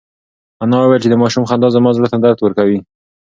انا وویل چې د ماشوم خندا زما زړه ته درد ورکوي.